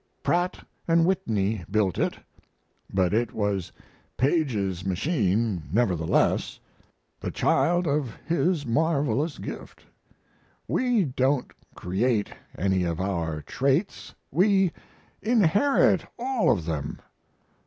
Pratt & Whitney built it; but it was Paige's machine, nevertheless the child of his marvelous gift. We don't create any of our traits; we inherit all of them.